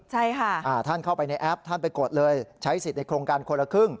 ใช่ค่ะอ่าท่านเข้าไปในแอปท่านไปกดเลยใช้สิทธิ์ในโครงการคนละครึ่ง